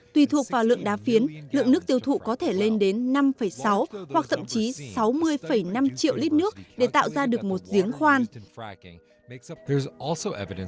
tùy thuộc vào lượng đá phiến lượng nước tiêu thụ có thể lên đến năm sáu hoặc thậm chí sáu mươi năm triệu lít nước để tạo ra được một giếng khoan